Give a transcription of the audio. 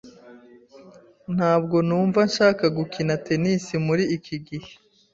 Ntabwo numva nshaka gukina tennis muri iki gihe.